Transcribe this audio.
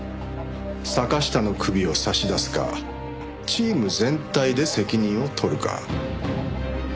坂下の首を差し出すかチーム全体で責任を取るか。